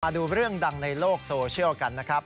ดูเรื่องดังในโลกโซเชียลกันนะครับ